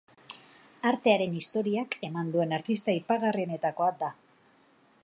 Artearen historiak eman duen artista aipagarrienetakoa da.